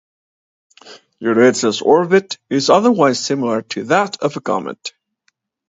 "Dioretsa"s orbit is otherwise similar to that of a comet.